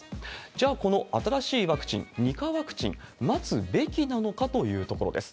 じゃあ、この新しいワクチン、２価ワクチン、待つべきなのかというところです。